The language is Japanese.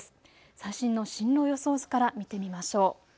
最新の進路予想図から見てみましょう。